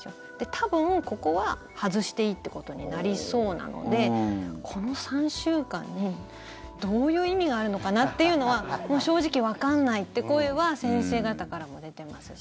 多分、ここは外していいということになりそうなのでこの３週間、どういう意味があるのかなというのはもう正直わかんないという声は先生方からも出てますし。